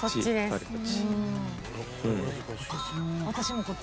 私も。